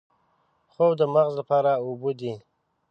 خوب د مغز لپاره اوبه دي